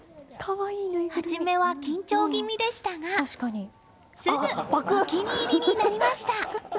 初めは緊張気味でしたがすぐ、お気に入りになりました！